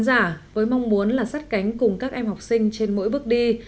cả với mong muốn là sát cánh cùng các em học sinh trên mỗi bước đi